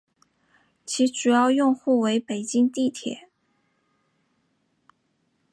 其主要用户为北京地铁。